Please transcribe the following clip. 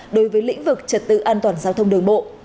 đối với lĩnh vực trật tự an toàn giao thông đường bộ